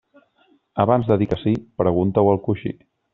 Abans de dir que sí, pregunta-ho al coixí.